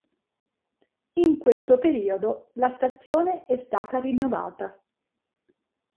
In questo periodo, la stazione è stata rinnovata.